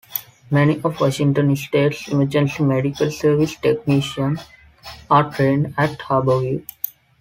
Many of Washington State's emergency medical service technicians are trained at Harborview.